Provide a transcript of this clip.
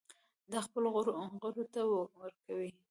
دا خپلو غړو ته ورکوي.